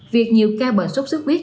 việc nhiều ca bệnh sốt xuất huyết